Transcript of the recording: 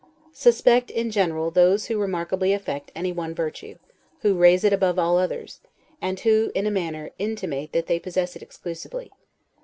Suspect, in general, those who remarkably affect any one virtue; who raise it above all others, and who, in a manner, intimate that they possess it exclusively.